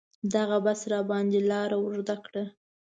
دغه بس راباندې لاره اوږده کړه.